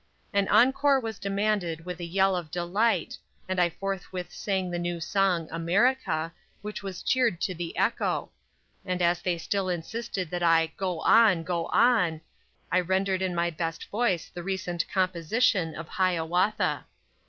An encore was demanded with a yell of delight, and I forthwith sang the new song "America," which was cheered to the echo and as they still insisted that I "go on," "go on," I rendered in my best voice the recent composition of "Hiawatha."